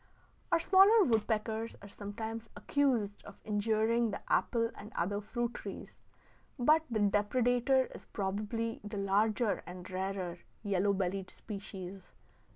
Our smaller woodpeckers are sometimes accused of injuring the apple and other fruit trees, but the depredator is probably the larger and rarer yellow bellied species.